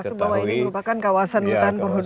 seiring waktu bahwa ini merupakan kawasan hutan berhudu